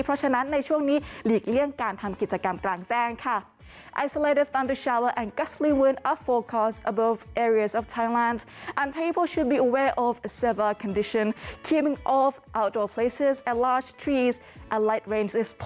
เพราะฉะนั้นในช่วงนี้หลีกเลี่ยงการทำกิจกรรมกลางแจ้งค่ะ